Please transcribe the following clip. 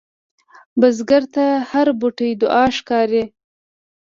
بزګر ته هره بوټۍ دعا ښکاري